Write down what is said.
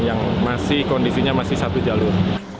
yang masih kondisinya masih satu jalur